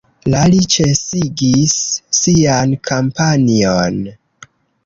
La li ĉesigis sian kampanjon.